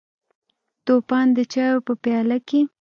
توپان د چایو په پیاله کې: